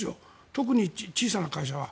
特に小さな会社は。